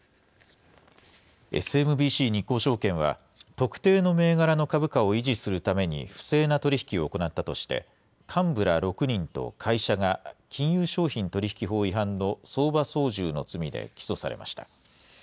ＳＭＢＣ日興証券は、特定の銘柄の株価を維持するために、不正な取り引きを行ったとして、幹部ら６人と会社が金融商品取引法違反の相場操縦の罪で起訴されました。